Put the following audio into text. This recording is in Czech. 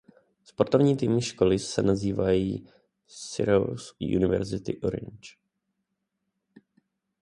Sportovní týmy školy se nazývají "Syracuse University Orange".